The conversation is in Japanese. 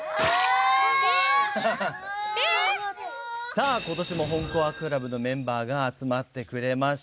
さあことしもほん怖クラブのメンバーが集まってくれました。